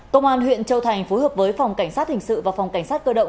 công an huyện châu thành phối hợp với phòng cảnh sát hình sự và phòng cảnh sát cơ động